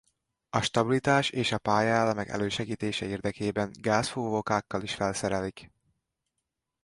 A stabilitás és a pályaelemek elősegítése érdekében gázfúvókákkal is felszerelik.